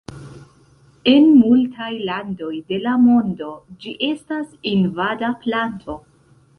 En multaj landoj de la mondo ĝi estas invada planto.